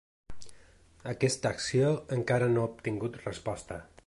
Aquesta acció encara no ha obtingut resposta.